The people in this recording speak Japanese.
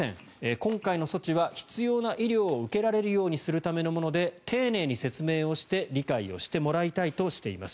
今回の措置は必要な医療を受けられるようにするためのもので丁寧に説明をして理解をしてもらいたいとしています。